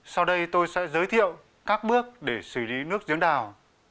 sau đây tôi sẽ giới thiệu các bước để xử lý nước giếng đào